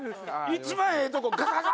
一番ええとこガガガ！